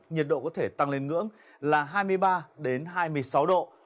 nhiệt độ có thể tăng lên ngưỡng là hai mươi ba hai mươi sáu độ